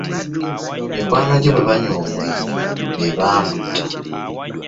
Mikwano gye bwe banywa omwenge be baamutta.